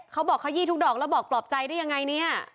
เขาบอกเขือทุกดอกแล้วบอกปลอบใจได้ยังไงเนี่ย